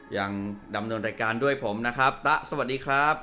ยังดำเนินรายการด้วยผมนะครับตะสวัสดีครับ